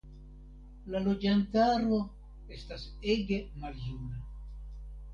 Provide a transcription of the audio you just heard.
La loĝantaro estas ege maljuna.